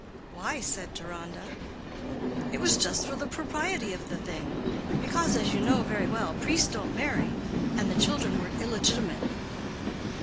"Why?" said Deronda. "It was just for the propriety of the thing; because, as you know very well, priests don't marry, and the children were illegitimate."